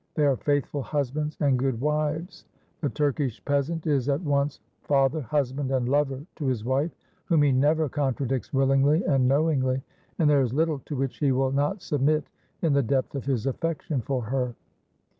They are faithful husbands and good wives. The Turkish peasant is at once father, husband, and lover to his wife, whom he never contradicts willingly and knowingly, and there is little to which he will not submit in the depth of his affection for her.